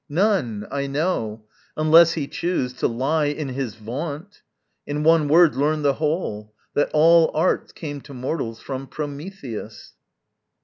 none, I know! unless he choose To lie in his vaunt. In one word learn the whole, That all arts came to mortals from Prometheus.